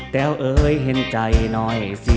แต่เอ่ยเห็นใจหน่อยสิ